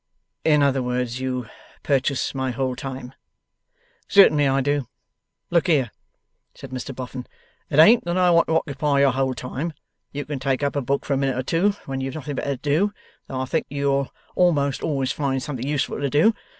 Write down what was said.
'In other words, you purchase my whole time?' 'Certainly I do. Look here,' said Mr Boffin, 'it ain't that I want to occupy your whole time; you can take up a book for a minute or two when you've nothing better to do, though I think you'll a'most always find something useful to do.